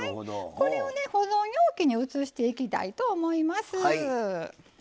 これを保存容器に移していきたいと思います。